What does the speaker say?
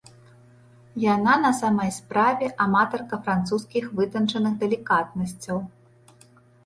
Яна на самай справе аматарка французскіх вытанчаных далікатнасцяў.